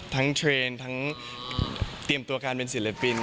เทรนด์ทั้งเตรียมตัวการเป็นศิลปิน